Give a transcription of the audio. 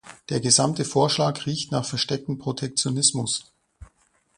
Der gesamte Vorschlag riecht nach verstecktem Protektionismus.